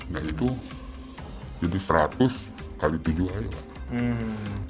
nah itu jadi seratus kali tujuh hari pak